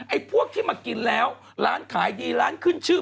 ไอ้พวกที่มากินแล้วร้านขายดีร้านขึ้นชื่อ